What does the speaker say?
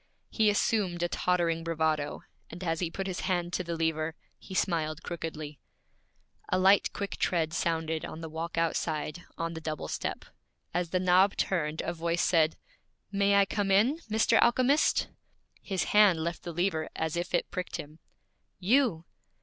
He assumed a tottering bravado, and as he put his hand to the lever, he smiled crookedly. A light, quick tread sounded on the walk outside, on the double step; as the knob turned, a voice said, 'May I come, Mr. Alchemist?' His hand left the lever as if it pricked him. 'You!'